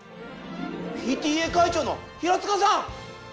ＰＴＡ会長の平塚さん！